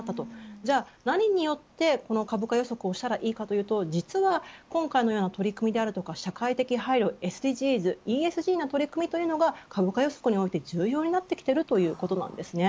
では何によってこの株価予測をしたらいいかというと実は今回のような取り組みであるとか社会的配慮ＳＤＧｓ、ＥＳＧの取り組みというのは投資家にとって重要になっているということです。